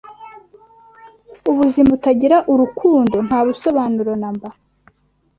Ubuzima butagira urukundo nta busobanuro namba.